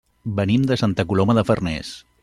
Venim de Santa Coloma de Farners.